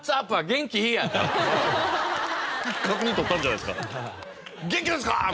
元気ですかー？